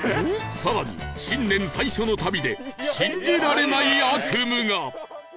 更に新年最初の旅で信じられない悪夢が